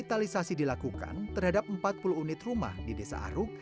revitalisasi dilakukan terhadap empat puluh unit rumah di desa aruk